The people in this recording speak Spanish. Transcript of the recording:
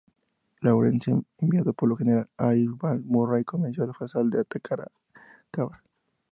Lawrence, enviado por el General Archibald Murray, convenció a Faysal de atacar Áqaba.